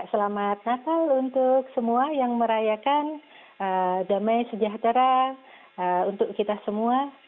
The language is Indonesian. selamat natal untuk semua yang merayakan damai sejahtera untuk kita semua